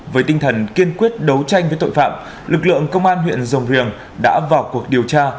với tinh thần kiên quyết đấu tranh với tội phạm lực lượng công an huyện rồng riềng đã vào cuộc điều tra